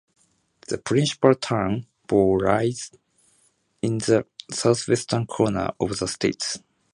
The principal town, Bor, lies in the southwestern corner of the state.